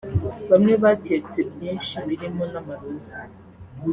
Bamwe baketse byinshi birimo n’amarozi